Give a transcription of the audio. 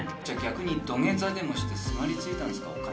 じゃあ逆に土下座でもしてすがりついたんですか？